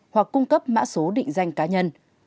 hoặc cung cấp mã số định danh cá nhân